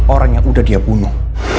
orang yang udah dia bunuh